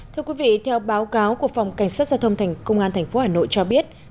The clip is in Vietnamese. thưa quý vị theo báo cáo của phòng cảnh sát giao thông thành công an tp hà nội cho biết